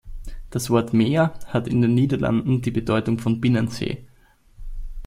Das Wort "Meer" hat in den Niederlanden die Bedeutung von „Binnensee“.